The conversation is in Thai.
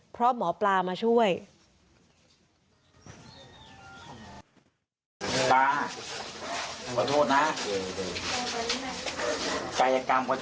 เพราะหมอปลามาช่วย